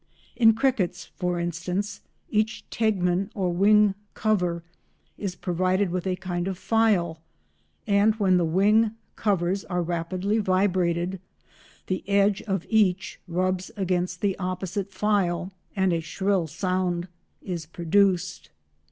In crickets, for instance, each tegmen or wing cover is provided with a kind of file, and when the wing covers are rapidly vibrated, the edge of each rubs against the opposite file, and a loud shrill sound is produced.